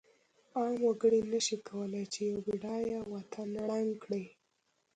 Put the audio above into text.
عام وګړی نشی کولای چې یو بډایه وطن ړنګ کړی.